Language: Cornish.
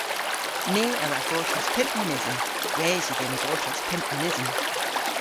My a wra gortos pymp mynysen. Res yw dhymm gortos pymp mynysen.